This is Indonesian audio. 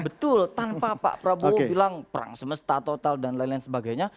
betul tanpa pak prabowo bilang perang semesta total dan lain lain sebagainya